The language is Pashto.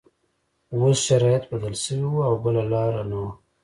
اوس شرایط بدل شوي وو او بله لاره نه وه